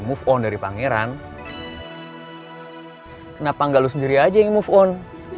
kalo si mel move on dari pangeran kenapa gak lo sendiri aja yang move on